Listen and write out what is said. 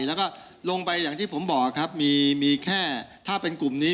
แล้วก็ลงไปอย่างที่ผมบอกครับมีแค่ถ้าเป็นกลุ่มนี้